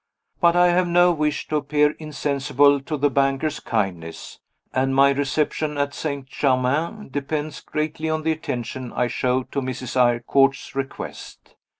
But I have no wish to appear insensible to the banker's kindness, and my reception at St. Germain depends greatly on the attention I show to Mrs. Eyrecourt's request.